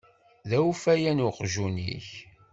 D awfayan uqjun-ik.